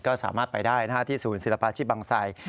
ก็สามารถไปได้ที่ศูนย์ศิลปาชีพบังไส